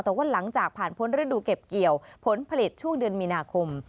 แต่ว่าหลังจากผ่านพ้นฤดูเก็บเกี่ยวผลผลิตช่วงเดือนมีนาคม